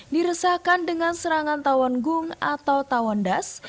diresahkan dengan serangan tawon gung atau tawon das